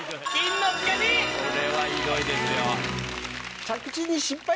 これはひどいですよ。